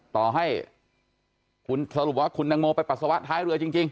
ต่อให้คุณสรุปว่าคุณตังโมไปปัสสาวะท้ายเรือจริง